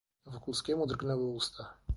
"Wokulskiemu drgnęły usta."